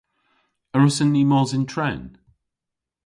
A wrussyn ni mos yn tren?